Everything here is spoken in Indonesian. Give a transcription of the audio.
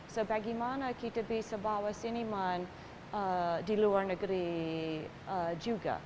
so bagaimana kita bisa bawa cinema di luar negeri juga